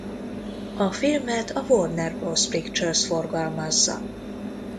A filmet a Warner Bros. Pictures forgalmazza.